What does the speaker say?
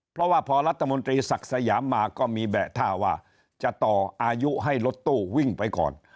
เพราะว่าพอรัฐมนตรีศักดิ์สยามมาก็มีแบะท่าว่าจะต่ออายุให้รถตู้วิ่งไปก่อน